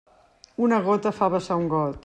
Una gota fa vessar un got.